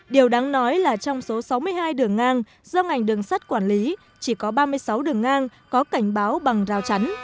điều đáng nói là trong số sáu mươi hai đường ngang do ngành đường sắt quản lý chỉ có ba mươi sáu đường ngang có cảnh báo bằng rào chắn